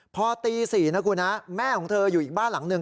พอตี๔นะคุณแม่ของเธออยู่อีกบ้านหลังหนึ่ง